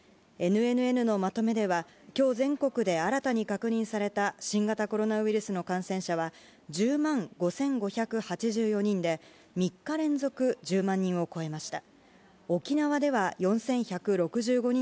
ＮＮＮのまとめでは、きょう全国で新たに確認された新型コロナウイルスの感染者は１０万５５８４人で、３日連続１０万人を超えました。